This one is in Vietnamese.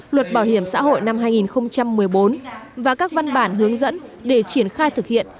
luật bảo hiểm xã hội năm hai nghìn một mươi bốn và các văn bản hướng dẫn để triển khai thực hiện